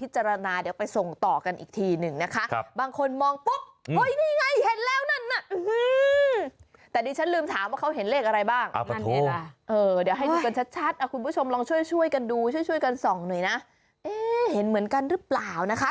ช่วยกันสองหน่อยนะเห็นเหมือนกันหรือเปล่านะคะ